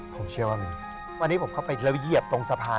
ผมเชื่อว่ามีวันนี้ผมเข้าไปแล้วเหยียบตรงสะพาน